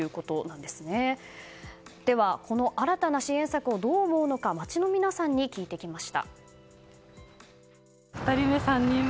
では、新たな支援策をどう思うのか街の皆さんに聞いてきました。